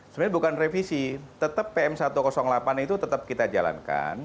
sebenarnya bukan revisi tetap pm satu ratus delapan itu tetap kita jalankan